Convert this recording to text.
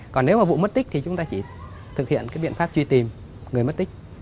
còn nếu mà vụ mất tích thì chúng ta chỉ thực hiện cái biện pháp truy tìm người mất tích